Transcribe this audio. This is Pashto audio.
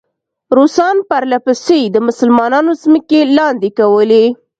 روسان پرله پسې د مسلمانانو ځمکې لاندې کولې.